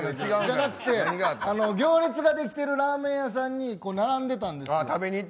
じゃなくて行列ができてるラーメン屋さんに並んでたんですよ。